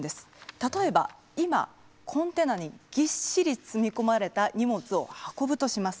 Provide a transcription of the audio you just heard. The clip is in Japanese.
例えば今コンテナにぎっしり積み込まれた荷物を運ぶとします。